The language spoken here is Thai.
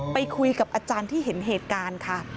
ไปคุยกับอาจารย์ที่เห็นเหตุการณ์ค่ะ